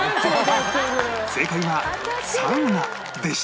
正解はサウナでした